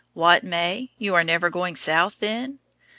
What, May? You are never going South, then?